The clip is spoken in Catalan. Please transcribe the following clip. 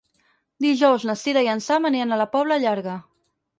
Dijous na Sira i en Sam aniran a la Pobla Llarga.